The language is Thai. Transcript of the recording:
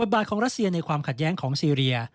บาทของรัสเซียในความขัดแย้งของซีเรีย